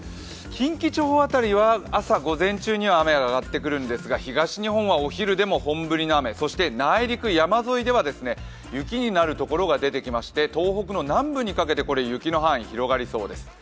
近畿地方辺りは、朝午前中には雨が上がってくるんですが東日本はお昼でも本降りの雨、そして内陸、山沿いでは雪になる所が出てきまして東北の南部にかけて雪の範囲が広がりそうです。